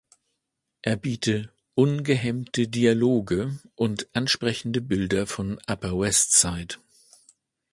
Er biete "„ungehemmte“" Dialoge und ansprechende Bilder von Upper West Side.